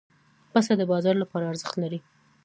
پسه د بازار لپاره ارزښت لري.